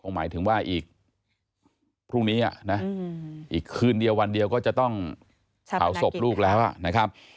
หมายถึงว่าอีกพรุ่งนี้อีกคืนเดียววันเดียวก็จะต้องเผาศพลูกแล้วนะครับ